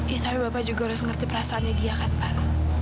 ya tapi bapak juga harus ngerti perasaannya dia kan pak